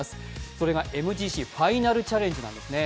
それがＭＧＣファイナルチャレンジなんですね。